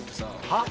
はっ？